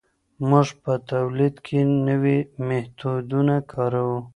موږ په تولید کي نوي میتودونه کاروو.